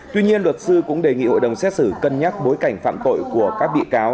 tuy nhiên luật sư cũng đề nghị hội đồng xét xử cân nhắc bối cảnh phạm tội của các bị cáo